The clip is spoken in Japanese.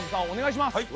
お願いします。